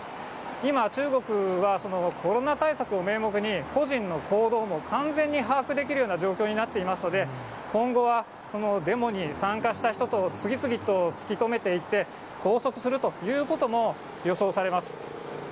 今、中国はコロナ対策を名目に、個人の行動を完全に把握できるような状況になっていますので、今後はデモに参加した人と、次々と突き止めていって、拘束するということも予想されます。